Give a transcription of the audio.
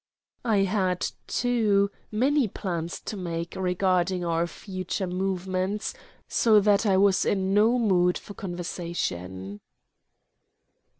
I had, too, many plans to make regarding our future movements, so that I was in no mood for conversation.